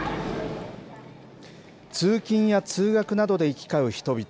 通勤や通学などで行き交う人々。